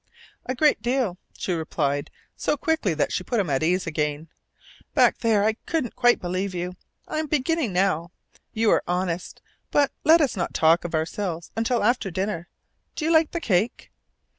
"A great deal," she replied so quickly that she put him at ease again. "Back there I couldn't quite believe you. I am beginning to now. You are honest. But let us not talk of ourselves until after dinner. Do you like the cake?"